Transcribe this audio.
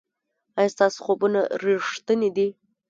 ایا ستاسو خوبونه ریښتیني دي؟